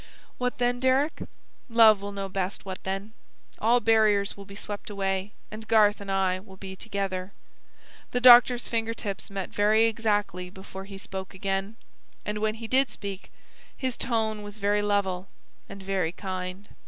"What then, Deryck? Love will know best what then. All barriers will be swept away, and Garth and I will be together." The doctor's finger tips met very exactly before he spoke again; and when he did speak, his tone was very level and very kind.